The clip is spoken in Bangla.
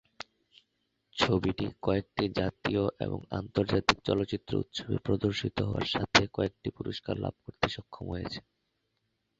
ছবিটি কয়েকটি জাতীয় এবং আন্তর্জাতিক চলচ্চিত্র উৎসবে প্রদর্শিত হওয়ার সাথে কয়েকটি পুরস্কার লাভ করতে সক্ষম হয়েছে।